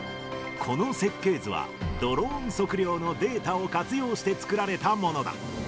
この設計図は、ドローン測量のデータを活用して作られたものだ。